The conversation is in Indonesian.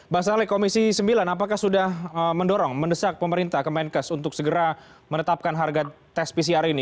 bang saleh komisi sembilan apakah sudah mendorong mendesak pemerintah kemenkes untuk segera menetapkan harga tes pcr ini